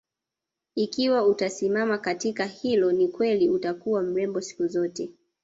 Ikiwa utasimama katika hilo ni kweli utakuwa mrembo siku zote